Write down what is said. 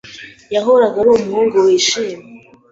yahoraga ari umuhungu wishimye.